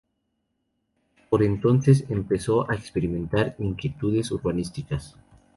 Por entonces empezó a experimentar inquietudes urbanísticas.